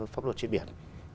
pháp luật trên biển